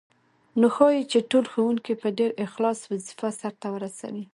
نو ښايي چې ټول ښوونکي په ډېر اخلاص وظیفه سرته ورسوي.